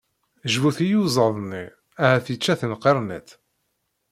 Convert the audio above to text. Jbut i iyuzaḍ-nni, ahat yečča-ten qirniṭ!